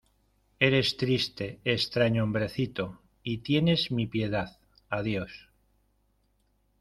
Eres triste, extraño hombrecito , y tienes mi piedad. Adiós .